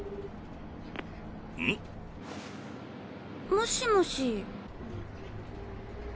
もしもし。